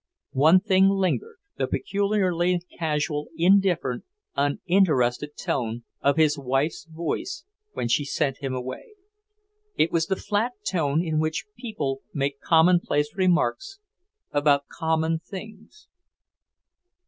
One thing lingered; the peculiarly casual, indifferent, uninterested tone of his wife's voice when she sent him away. It was the flat tone in which people make commonplace remarks about common things.